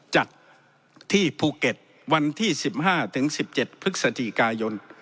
จัดที่ภูเก็ตวันที่๑๕๑๗พฤศจิกายน